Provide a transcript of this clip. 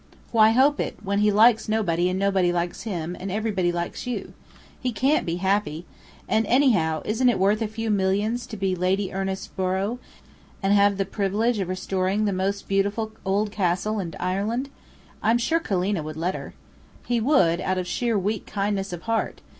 "Why hope it, when he likes nobody and nobody likes him, and everybody likes you? He can't be happy. And anyhow, isn't it worth a few millions to be Lady Ernest Borrow, and have the privilege of restoring the most beautiful old castle in Ireland? I'm sure Killeena would let her." "He would, out of sheer, weak kindness of heart!